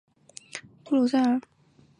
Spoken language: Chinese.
巴舒亚伊出生于比利时首都布鲁塞尔。